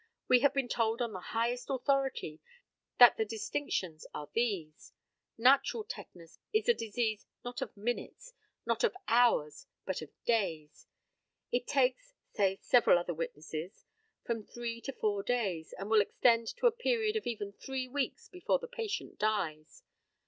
We have been told on the highest authority that the distinctions are these natural tetanus is a disease not of minutes, not of hours, but of days. It takes say several other witnesses from three to four days; and will extend to a period of even three weeks before the patient dies.